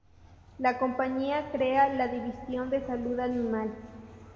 La compañía crea la división de Salud Animal.